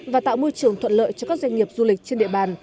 và tạo môi trường thuận lợi cho các doanh nghiệp du lịch trên địa bàn